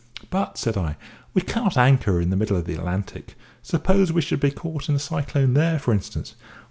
"But," said I, "we cannot anchor in the middle of the Atlantic. Suppose we should be caught in a cyclone there, for instance?"